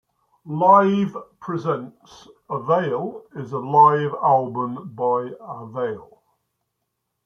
Live Presents...Avail is a live album by Avail.